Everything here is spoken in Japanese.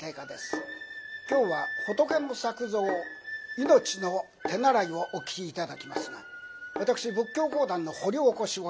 今日は「仏の作蔵命の手習」をお聴き頂きますが私仏教講談の掘り起こしをいたし